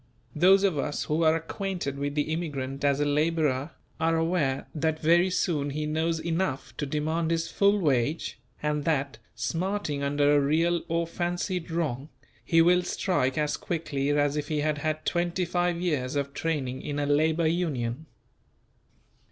Those of us who are acquainted with the immigrant as a labourer are aware that very soon he knows enough to demand his full wage, and that, smarting under a real or fancied wrong he will "strike" as quickly as if he had had twenty five years of training in a Labour Union.